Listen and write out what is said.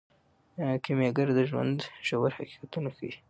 کیمیاګر د ژوند ژور حقیقتونه ښیي.